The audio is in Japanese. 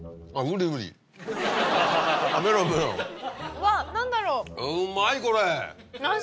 うわ何だろう？